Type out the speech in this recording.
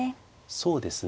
そうですね。